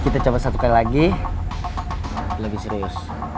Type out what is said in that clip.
kita coba satu kali lagi lebih serius